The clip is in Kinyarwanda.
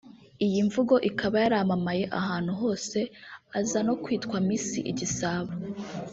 Iyi mvugo ikaba yaramamaye ahantu hose aza no kwitwa Miss Igisabo